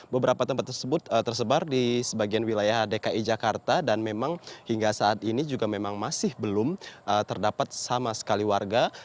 beberapa tempat tersebut tersebar di sebagian wilayah dki jakarta dan memang hingga saat ini juga memang masih belum terdapat sama sekali warga